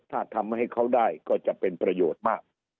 ถ้าทำให้เขาได้ก็จะเป็นประโยชน์มาก